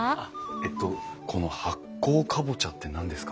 えとこの発酵カボチャって何ですか？